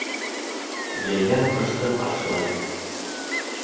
Йәйҙән ҡышты ҡаршылай.